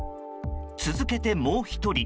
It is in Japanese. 続けて、もう１人。